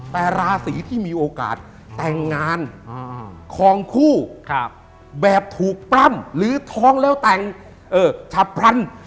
แต่ราศีที่มีโอกาสแต่งงานคลองคู่แบบถูกปล้ำหรือท้องแล้วแต่งฉับพลัน